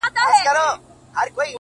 ه ياره تا زما شعر لوسته زه دي لــوســتم،